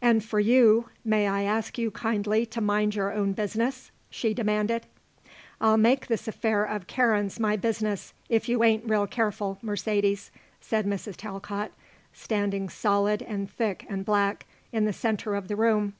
"And for you, may I ask you kindly to mind your own business?" she demanded. "I'll make this affair of Karen's my business if you ain't real careful, Mercedes," said Mrs. Talcott, standing solid and thick and black, in the centre of the room.